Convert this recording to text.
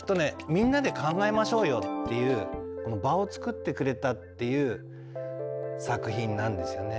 みんなで考えましょうよっていう場を作ってくれたっていう作品なんですよね。